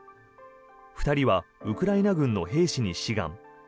２人はウクライナ軍の兵士に志願。